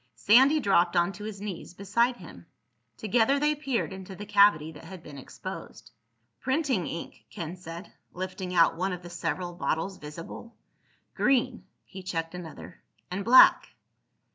Sandy dropped onto his knees beside him. Together they peered into the cavity that had been exposed. "Printing ink," Ken said, lifting out one of the several bottles visible. "Green." He checked another. "And black."